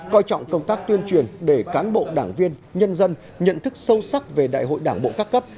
coi trọng công tác tuyên truyền để cán bộ đảng viên nhân dân nhận thức sâu sắc về đại hội đảng bộ các cấp